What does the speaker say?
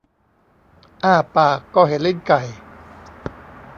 อ้าปากก็เห็นลิ้นไก่